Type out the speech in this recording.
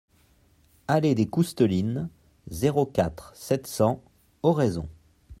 Allée des Coustelines, zéro quatre, sept cents Oraison